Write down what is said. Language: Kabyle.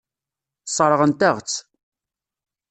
Sseṛɣen-aɣ-tt.